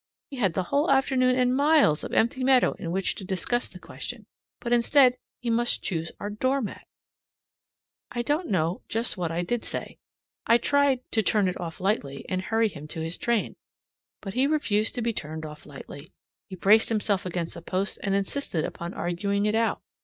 He had the whole afternoon and miles of empty meadow in which to discuss the question, but instead he must choose our door mat! I don't know just what I did say. I tried to turn it off lightly and hurry him to his train. But he refused to be turned off lightly. He braced himself against a post and insisted upon arguing it out.